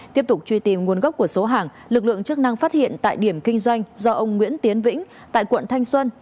tiếp tục truy tìm nguồn gốc của số hàng lực lượng chức năng phát hiện tại điểm kinh doanh do ông nguyễn tiến vĩnh tại quận thanh xuân